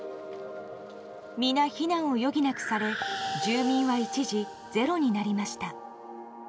皆、避難を余儀なくされ住民は一時ゼロになりました。